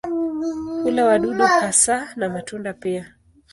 Hula wadudu hasa na matunda pia.